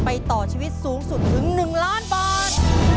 ต่อชีวิตสูงสุดถึง๑ล้านบาท